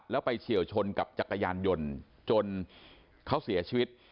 แล้วไปเฉียวชนกับจักรยานยนต์จนเขาเสียชีวิต